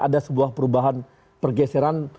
ada sebuah perubahan pergeseran